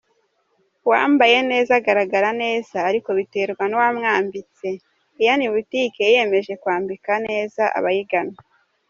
Uwambaye neza agaragara neza ariko biterwa n'uwamwambitse ,Ian Boutique yiyemeje kwambika neza abayigana.